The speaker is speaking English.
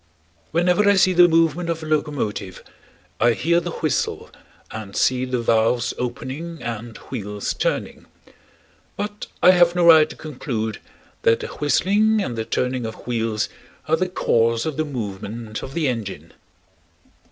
Whenever I see the movement of a locomotive I hear the whistle and see the valves opening and wheels turning; but I have no right to conclude that the whistling and the turning of wheels are the cause of the movement of the engine.